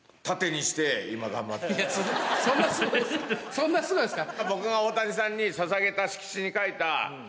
そんなスゴいんですか？